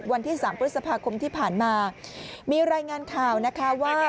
วันที่๓พฤษภาคมที่ผ่านมามีรายงานข่าวนะคะว่า